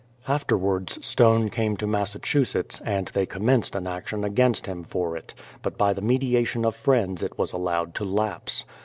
Afterwards Stone came to Massachusetts, and they com menced an action against him for it; but by the media tion of friends it was allowed to lapse.